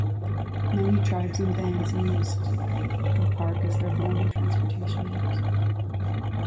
Many tribes and bands used the park as their home and transportation routes.